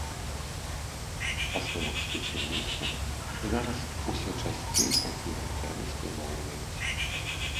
Па словах спецыяліста, зараз усё часцей такія дрэвы спілоўваюць.